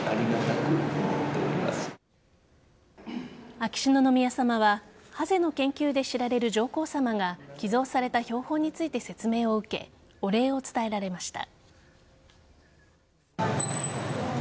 秋篠宮さまはハゼの研究で知られる上皇さまが寄贈された標本について説明を受けお礼を伝えられました。